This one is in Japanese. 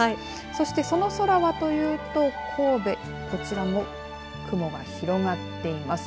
そしてその空はというと、神戸こちらも雲が広がっています。